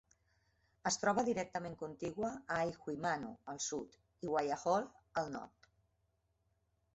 Es troba directament contigua a Ahuimanu al sud i Waiahole al nord.